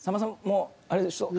もうあれでしょ？